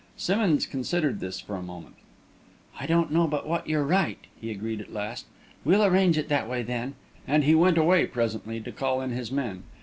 Simmonds considered this for a moment. "I don't know but what you're right," he agreed, at last. "We'll arrange it that way, then," and he went away presently to call in his men.